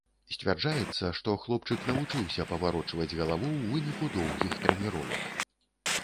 Сцвярджаецца, што хлопчык навучыўся паварочваць галаву ў выніку доўгіх трэніровак.